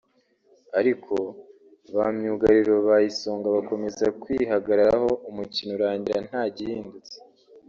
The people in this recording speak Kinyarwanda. ariko ba myugariro ba Isonga bakomeza kwihagararaho umukino urangira nta gihindutse